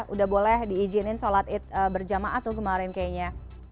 udah boleh diizinin sholat id berjamaah tuh kemarin kayaknya